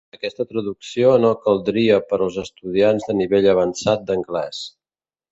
Aquesta traducció no caldria per als estudiants de nivell avançat d'anglès.